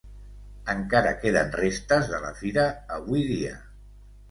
Encara queden restes de la fira avui dia.